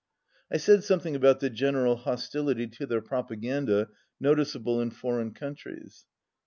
I said something about the general hostility to their propaganda noticeable in foreign countries.